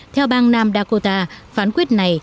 theo bang nam dakota phán quyết này